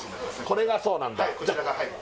これがそうなんだはい